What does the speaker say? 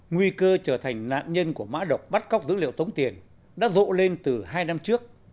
nguy cơ trở thành nạn nhân của mã độc bắt cóc dữ liệu tống tiền đã rộ lên từ hai năm trước